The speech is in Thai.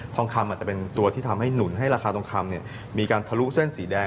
ทองคำอาจจะเป็นตัวที่ทำให้หนุนให้ราคาทองคำมีการทะลุเส้นสีแดง